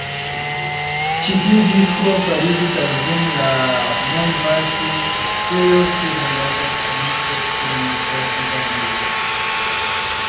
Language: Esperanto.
Ĉi tiu disko fariĝis Album la mondvaste plejofte vendata disko pri klasika muziko.